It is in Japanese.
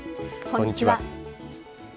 こんにちは。